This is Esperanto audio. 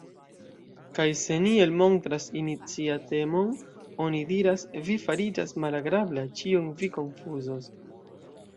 Kaj se ni elmontras iniciatemon oni diras: Vi fariĝas malagrabla, ĉion vi konfuzos.